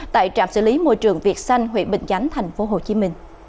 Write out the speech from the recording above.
tại trạm xử lý môi trường việt xanh huyện bình chánh tp hcm